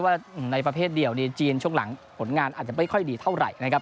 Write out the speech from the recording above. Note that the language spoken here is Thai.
ว่าในประเภทเดียวจีนช่วงหลังผลงานอาจจะไม่ค่อยดีเท่าไหร่นะครับ